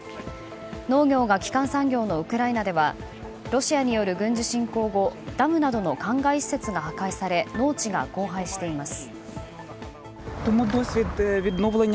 農業が基幹産業のウクライナではロシアによる軍事侵攻後ダムなどの灌漑施設が破壊され農地が荒廃しています。